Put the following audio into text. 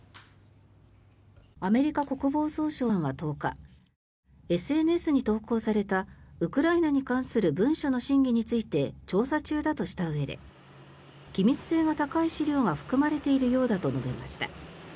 アメリカ国防総省は１０日ＳＮＳに投稿されたウクライナに関する文書の真偽について調査中だとしたうえで機密性が高い資料が含まれているようだと述べました。